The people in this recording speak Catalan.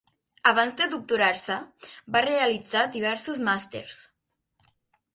Abans de doctorar-se va realitzar diversos màsters.